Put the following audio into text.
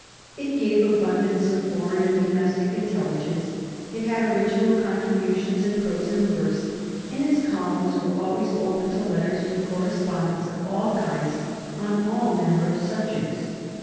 It gave abundance of foreign and domestic intelligence, it had original contributions in prose and verse, and its columns were always open to letters from correspondents of all kinds on all manner of subjects.